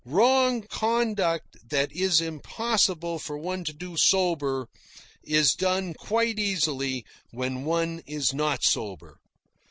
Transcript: Wrong conduct that it is impossible for one to do sober, is done quite easily when one is not sober.